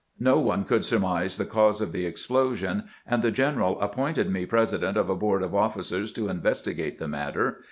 No one could surmise the cause of the explosion, and the general appointed me president of a board of officers to investigate the matter.